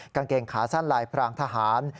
กางเกงขาสั้นลายพรางทหาร